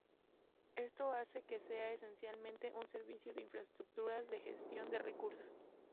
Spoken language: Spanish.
Esto hace que sea esencialmente un servicio de infraestructuras de gestión de recursos.